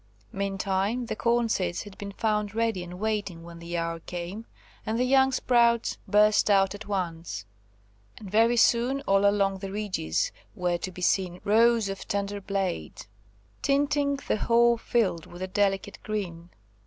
Meantime, the corn seeds had been found ready and waiting when the hour came, and the young sprouts burst out at once; and very soon all along the ridges were to be seen rows of tender blades, tinting the whole field with a delicate green.